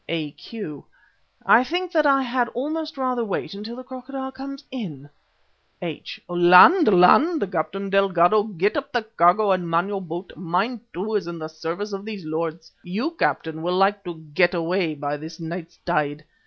A.Q.: "I think that I had almost rather wait until the Crocodile comes in." H.: "Land! Land! Captain Delgado, get up the cargo and man your boat. Mine too is at the service of these lords. You, Captain, will like to get away by this night's tide.